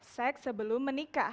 seks sebelum menikah